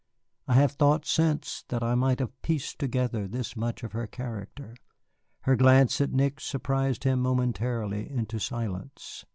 I have thought since that I might have pieced together this much of her character. Her glance at Nick surprised him momentarily into silence.